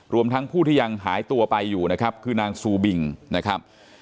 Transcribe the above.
รวมทั้งผู้ที่ยังหายตัวไปอยู่นะครับคือนางซูบิงนะครับ